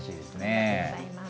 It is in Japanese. ありがとうございます。